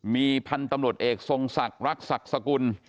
มีพันธุ์ตำรวจเอกทรงศักดิ์รักศักดิ์สกุล